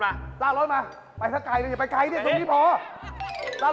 หรือลุ่นใหม่ใช้กฎปรุง